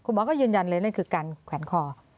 หมอก็ยืนยันเลยนั่นคือการแขวนคอ